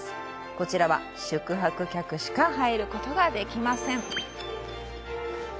こちらは宿泊客しか入ることができません。